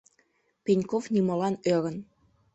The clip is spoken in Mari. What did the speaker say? Пеньков нимолан ӧрын.